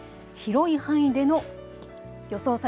広い範囲での予想